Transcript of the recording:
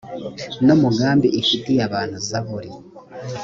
n umugambi ifitiye abantu zaburi